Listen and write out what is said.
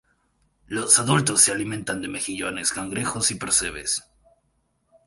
Los adultos se alimentan de mejillones, cangrejos y percebes.